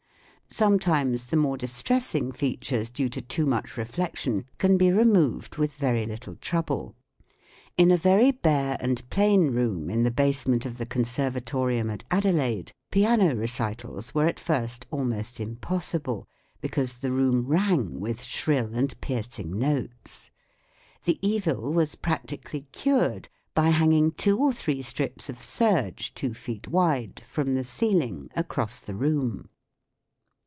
Sometimes the more distressing features due to too much reflection can be removed with very little trouble. In a very bare and plain room in the basement of the Conservatorium at Adelaide piano recitals were at first almost impossible, because the room rang with shrill and piercing notes. The evil was practically cured by hanging two or three strips of serge two feet wide from the ceiling across the room.